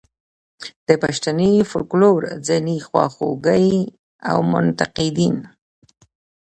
د پښتني فوکلور ځینې خواخوږي او منتقدین.